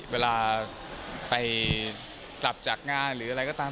เวลาไปกลับจากงานหรืออะไรก็ตาม